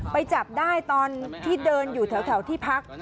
ไปจับได้ตอนที่เดินอยู่แถวที่พัก